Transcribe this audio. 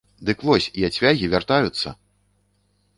Дык вось, яцвягі вяртаюцца!